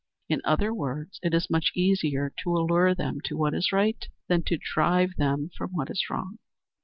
In other words, it is much easier to allure them to what is right than to drive them from what is wrong.